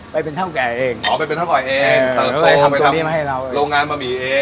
อ๋อไปเป็นท่าวแก่เองเติบโตไปทำโรงงานบะหมี่เอง